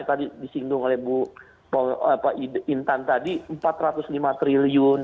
tadi disinggung oleh bu intan tadi rp empat ratus lima triliun